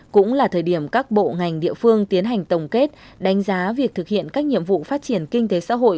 cũng là thời điểm các bộ ngành địa phương tiến hành tổng kết đánh giá việc thực hiện các nhiệm vụ phát triển kinh tế xã hội